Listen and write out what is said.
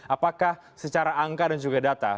apakah secara angka dan juga data